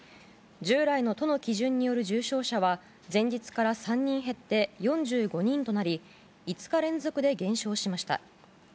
従来の都の基準による重症者は前日から３人減って４５人となり５日連続で減少しました。